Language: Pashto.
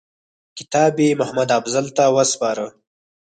کتاب یې محمدافضل ته وسپاره.